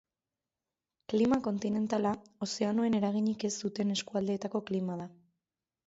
Klima kontinentala ozeanoen eraginik ez duten eskualdeetako klima da.